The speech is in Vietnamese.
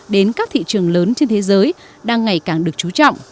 đến các thị trường lớn trên thế giới đang ngày càng được chú trọng